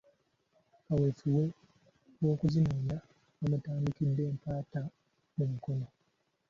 Kaweefube w'okuzinoonya bamutandikidde Mpatta mu Mukono.